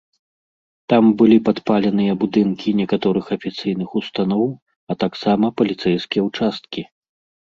Там былі падпаленыя будынкі некаторых афіцыйных устаноў, а таксама паліцэйскія ўчасткі.